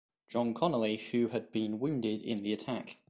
John Connally, who had been wounded in the attack.